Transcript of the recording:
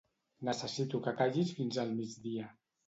Necessito que callis fins al migdia.